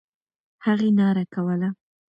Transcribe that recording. هغې ناره کوله.